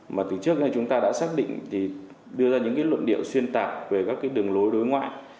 mà từ trước nay chúng ta đã xác định thì đưa ra những luận điệu xuyên tạc về các đường lối đối ngoại